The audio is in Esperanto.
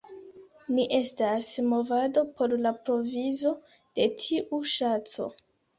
Ni estas movado por la provizo de tiu ŝanco.